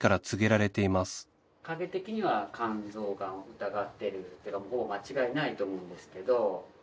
影的には肝臓がんを疑っているけどほぼ間違いないと思うんですけど。